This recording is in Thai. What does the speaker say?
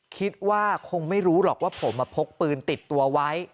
คิดว่าคงไม่รู้หรอกว่าผมมาพกปืนติดตัวไว้